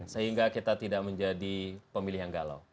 sehingga kita tidak menjadi pemilihan galau